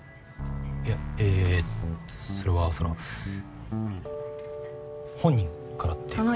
いやえぇそれはその本人からっていうか。